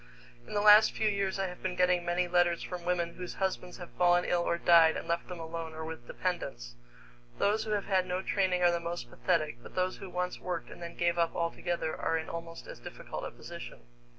In the last few years I have been getting many letters from women whose husbands have fallen ill or died and left them alone or with dependents. Those who have had no training are the most pathetic, but those who once worked and then gave up altogether are in almost as difficult a position.